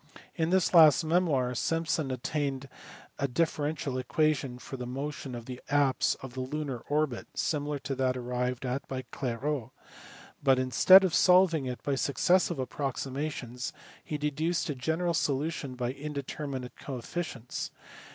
In this last memoir Simpson obtained a differential equation for the motion of the apse of the lunar orbit similar to that arrived at by Clairaut, but instead of solving it by successive approximations he deduced a general solution by indeterminate coefficients.